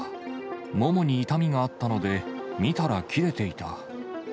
ももに痛みがあったので、見たら切れていた。